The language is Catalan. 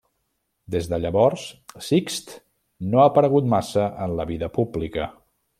Des de llavors, Sixt no ha aparegut massa en la vida pública.